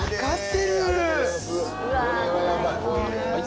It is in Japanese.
これはやばい。